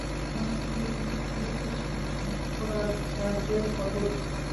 এইরূপে নানা প্রসঙ্গ চলিতে চলিতে শ্রীমৎ শঙ্করাচার্যের কথা উঠিল।